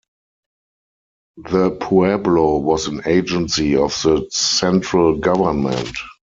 The pueblo was an agency of the Central Government.